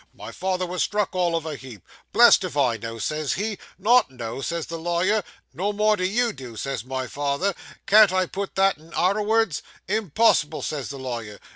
My father was struck all of a heap. "Blessed if I know," says he. "Not know!" says the lawyer. "No more nor you do," says my father; "can't I put that in arterwards?" "Impossible!" says the lawyer.